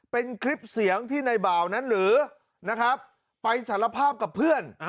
เป็นคลิปเสียงที่ในบ่าวนั้นหรือนะครับไปสารภาพกับเพื่อน